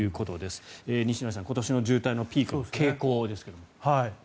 西成さん、今年の渋滞のピークの傾向ですが。